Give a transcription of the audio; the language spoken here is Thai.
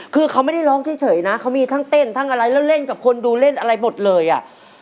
คือเขาไม่ได้ร้องเฉยนะเขามีทั้งเต้นทั้งอะไรแล้วเล่นกับคนดูเล่นอะไรหมดเลยอ่ะ